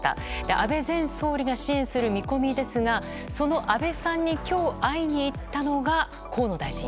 安倍前総理が支援する見込みですがその安倍さんに今日会いにいったのが河野大臣。